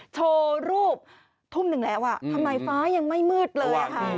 โชว์รูปทุ่มหนึ่งแล้วทำไมฟ้ายังไม่มืดเลย